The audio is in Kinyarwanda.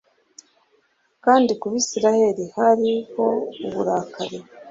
kandi ku Bisirayeli hariho uburakari